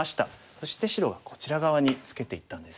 そして白がこちら側にツケていったんですね。